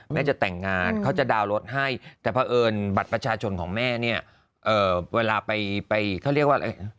แม่จะแต่งงานเขาจะดาวน์รถให้แต่เพราะเอิญบัตรประชาชนของแม่เนี่ยเอ่อเวลาไปเขาเรียกว่า